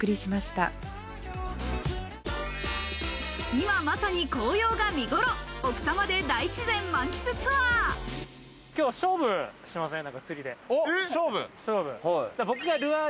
今まさに紅葉が見ごろ、奥多摩で大自然満喫ツアー。